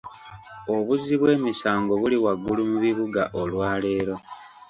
Obuzzi bw'emisango buli waggulu mu bibuga olwaleero.